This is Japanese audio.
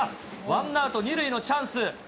ワンアウト２塁のチャンス。